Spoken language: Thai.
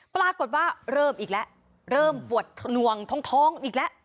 ปรากฏว่าเริ่มอีกแล้วเริ่มปวดนวงท้องอีกแล้ว